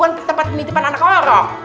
kan bukan tempat penitipan anak orang